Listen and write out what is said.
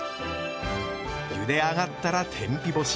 ゆで上がったら天日干し。